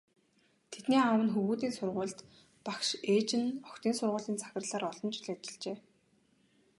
Тэдний аав нь хөвгүүдийн сургуульд багш, ээж нь охидын сургуулийн захирлаар олон жил ажиллажээ.